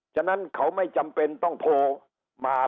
ฉะนั้นเขาไม่จำเป็นต้องโทรมา